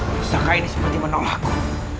pusaka ini seperti menolakku